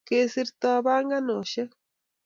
kesirto panganosheck